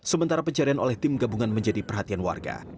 sementara pencarian oleh tim gabungan menjadi perhatian warga